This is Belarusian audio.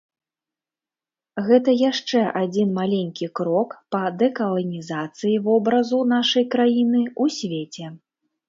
Гэта яшчэ адзін маленькі крок па дэкаланізацыі вобразу нашай краіны ў свеце.